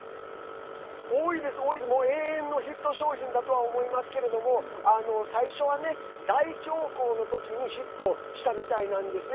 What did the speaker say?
多いです、永遠のヒット商品だとは思いますけども最初はね、大恐慌の時にヒットしたみたいなんですね。